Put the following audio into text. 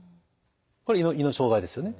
これ胃の障害ですよね。